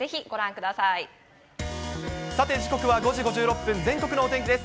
さて、時刻は５時５６分、全国のお天気です。